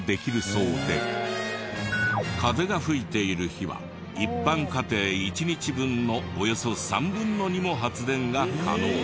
風が吹いている日は一般家庭１日分のおよそ３分の２の発電が可能。